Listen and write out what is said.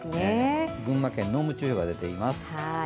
群馬県、濃霧注意報が出ています。